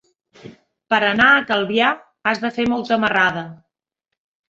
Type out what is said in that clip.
Per anar a Calvià has de fer molta marrada.